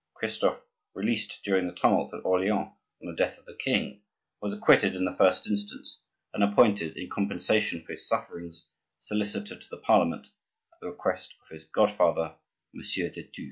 Christophe, released during the tumult at Orleans on the death of the king, was acquitted in the first instance, and appointed, in compensation for his sufferings, solicitor to the Parliament, at the request of his godfather Monsieur de Thou.